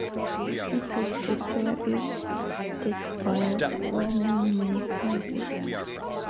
It is distributed by Women Make Movies.